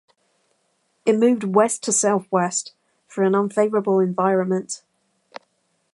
It moved west to southwest through an unfavorable environment.